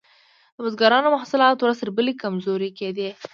د بزګرانو محصولات ورځ تر بلې کمزوري کیدل.